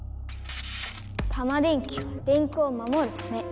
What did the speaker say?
タマ電Ｑは電空を守るため。